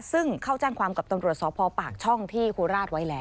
ซึ่งเข้าแจ้งความกับตำรวจสพปากช่องที่โคราชไว้แล้ว